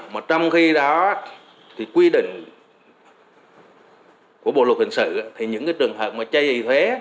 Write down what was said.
mà trong khi đó thì quy định của bộ luật hình sự thì những cái trường hợp mà chay y thuế